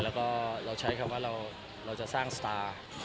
แล้วก็เราใช้คำว่าเราจะสร้างสตาร์